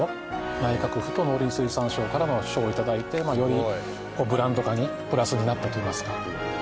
内閣府と農林水産省からの賞を頂いてよりブランド化にプラスになったといいますか。